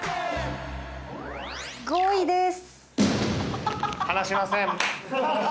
５位です。